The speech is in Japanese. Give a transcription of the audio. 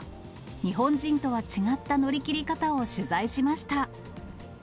日本人とは違った乗り切り方を取材しました。